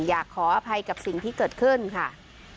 อยากขออภัยกับสิ่งที่เกิดขึ้นค่ะ